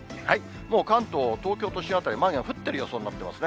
もう関東、東京都心辺り、雨が降っている予想になっていますね。